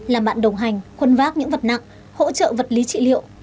làm bạn đồng hành khuân vác những vật nặng hỗ trợ vật lý trị liệu